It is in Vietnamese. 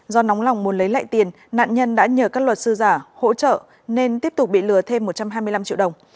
do nóng lòng muốn lấy lại tiền nạn nhân đã nhờ các luật sư giả hỗ trợ nên tiếp tục bị lừa thêm một trăm hai mươi năm triệu đồng